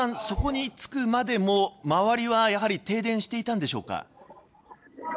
そこに着くまでも周りは、やはり停電していたんでしょうか。